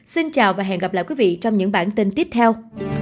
xin chào và hẹn gặp lại quý vị trong những bản tin tiếp theo